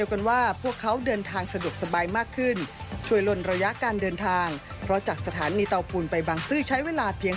ใช้เวลาเดินทางครึ่งชั่วโมง